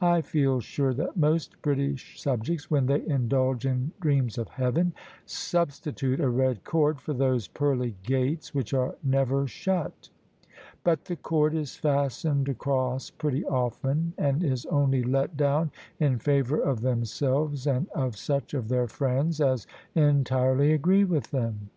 I feel sure that most British subjects — ^whcn they indulge in dreams of Heaven — substi tute a red cord for those pearly gates which are never shut. But the cord is fastened across pretty often, and is only let down in favour of themselves and of such of their friends as entirely agree with them."